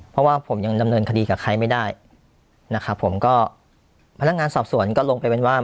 เพราะว่าผมยังดำเนินคดีกับใครไม่ได้นะครับผมก็พนักงานสอบสวนก็ลงไปเป็นว่า